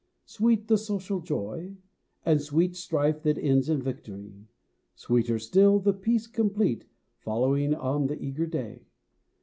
Sweet the social joy, and sweet Strife that ends in victory; Sweeter still the peace complete Following on the eager day.